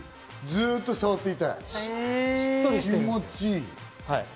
ずっと触っていたい。